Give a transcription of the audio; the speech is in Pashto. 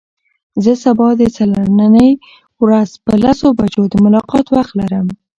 زه سبا د څلرنۍ ورځ په لسو بجو د ملاقات وخت لرم.